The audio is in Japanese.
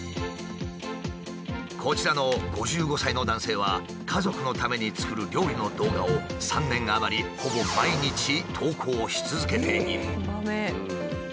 こちらの５５歳の男性は家族のために作る料理の動画を３年余りほぼ毎日投稿し続けている。